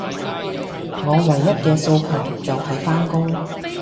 我唯一嘅訴求，就係返工